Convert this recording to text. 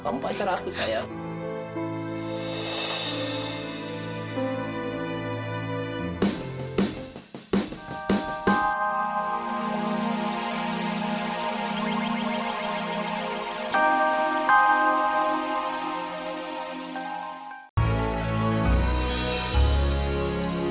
kamu pacar aku sayang aku